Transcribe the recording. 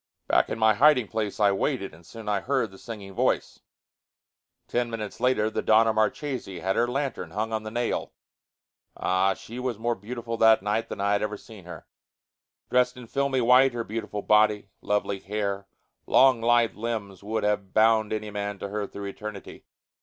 Back in my hiding place I waited, and soon I heard the singing voice. Ten minutes later the Donna Marchesi had her lantern hung on the nail. Ah! She was more beautiful that night than I had ever seen her. Dressed in filmy white, her beautiful body, lovely hair, long lithe limbs would have bound any man to her through eternity.